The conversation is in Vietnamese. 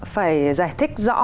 phải giải thích rõ